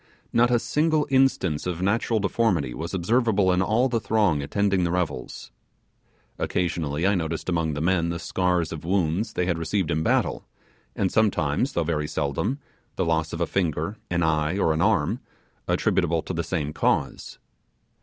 Not a single instance of natural deformity was observable in all the throng attending the revels. Occasionally I noticed among the men the scars of wounds they had received in battle; and sometimes, though very seldom, the loss of a finger, an eye, or an arm, attributable to the same cause.